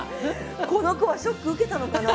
この子はショック受けたのかなあ。